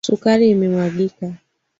Sukari imemwagika.